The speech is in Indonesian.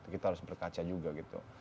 kita harus berkaca juga gitu